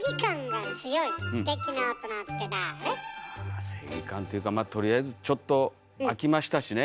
あ正義感っていうかとりあえずちょっと空きましたしね